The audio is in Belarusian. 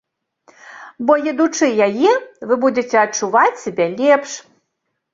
Бо, едучы яе, вы будзеце адчуваць сябе лепш!